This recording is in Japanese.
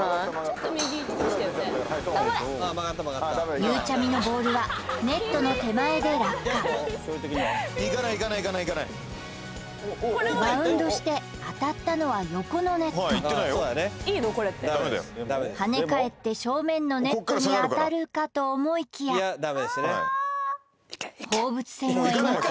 ゆうちゃみのボールはネットの手前で落下バウンドして当たったのは横のネット跳ね返って正面のネットに当たるかと思いきや放物線を描き